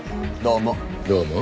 どうも。